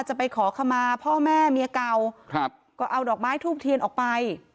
จะไปขอขมาพ่อแม่เมียเก่าครับก็เอาดอกไม้ทูบเทียนออกไป